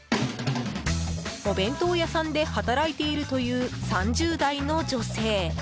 お弁当屋さんで働いているという３０代の女性。